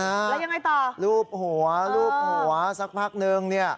แล้วยังไงต่อรูปหัวลูบหัวสักพักนึงเนี่ย